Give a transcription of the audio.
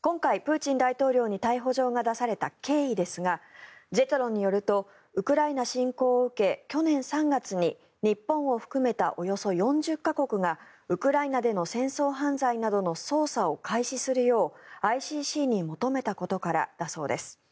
今回、プーチン大統領に逮捕状が出された経緯ですがジェトロによるとウクライナ侵攻を受け去年３月に日本を含めたおよそ４０か国がウクライナでの戦争犯罪などの捜査を開始するようＩＣＣに求めたことからだそうです。